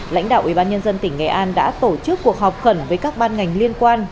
lãnh đạo ủy ban nhân dân tỉnh nghệ an đã tổ chức cuộc họp khẩn với các ban ngành liên quan